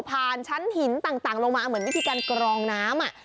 ชั้นหินต่างลงมาเหมือนวิธีการกรองน้ำ